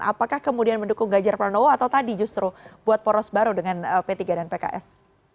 apakah kemudian mendukung ganjar pranowo atau tadi justru buat poros baru dengan p tiga dan pks